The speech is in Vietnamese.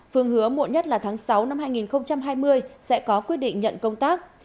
phương hứa muộn nhất là tháng sáu năm hai nghìn hai mươi sẽ có quyết định nhận công tác